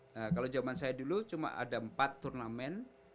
nah kalau zaman saya dulu cuma ada empat turnamen